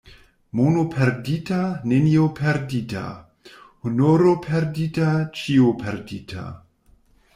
Mono perdita, nenio perdita; honoro perdita, ĉio perdita.